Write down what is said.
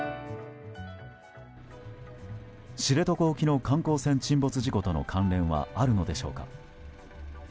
知床沖の観光船沈没事故との関連はあるのでしょうか。